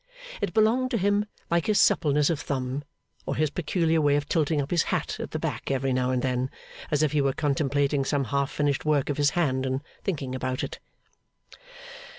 It belonged to him like his suppleness of thumb, or his peculiar way of tilting up his hat at the back every now and then, as if he were contemplating some half finished work of his hand and thinking about it.